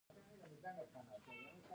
افغانستان د منی په اړه علمي څېړنې لري.